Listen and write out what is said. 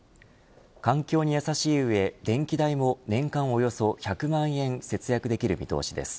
環境にやさしい上電気代も年間およそ１００万円節約できる見通しです。